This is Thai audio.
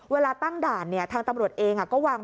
เวลาตั้งด่านทางตำรวจเองก็วาง